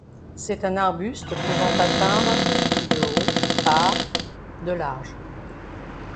C'est un arbuste pouvant atteindre de haut par de large.